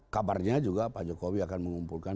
kabarnya juga pak jokowi akan mengumpulkan